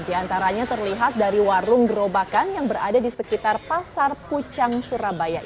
di antaranya terlihat dari warung gerobakan yang berada di sekitar pasar pucang surabaya